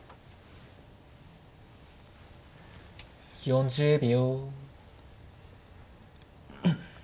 ４０秒。